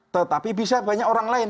tetapi bisa banyak orang lain